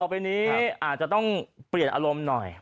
ไปนี้อาจจะต้องเปลี่ยนอารมณ์หน่อย